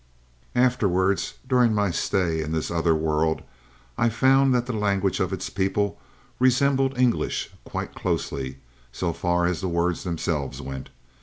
"Afterwards, during my stay in this other world, I found that the language of its people resembled English quite closely, so far as the words themselves went.